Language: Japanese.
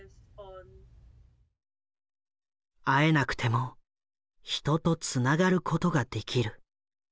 会えなくても人とつながることができる。